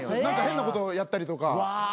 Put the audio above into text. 何か変なことをやったりとか。